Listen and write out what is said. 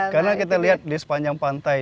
karena kita lihat di sepanjang pantai